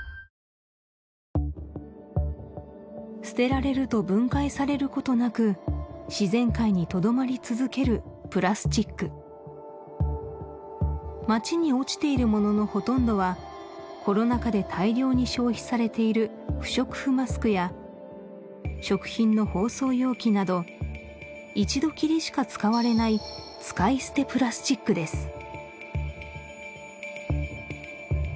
捨てられると分解されることなく自然界にとどまり続けるプラスチック街に落ちているもののほとんどはコロナ禍で大量に消費されている不織布マスクや食品の包装容器など一度きりしか使われない使い捨てプラスチックです